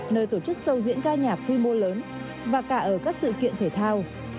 nơi tổ chức sâu diễn ca nhạc quy mô lớn và cả ở các sự kiện thể thao